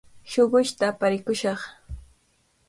Shuqushta aparikushaq.